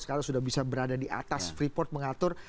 sekarang sudah bisa berada di atas free port mengatur